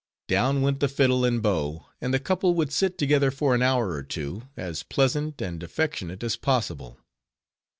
Down went fiddle and bow; and the couple would sit together for an hour or two, as pleasant and affectionate as possible.